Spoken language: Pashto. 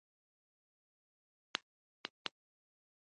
چې د کليوالو مرستې ته دې څوک راولېږي.